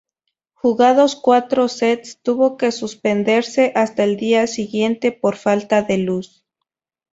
Jugados cuatro sets, tuvo que suspenderse hasta el día siguiente por falta de luz.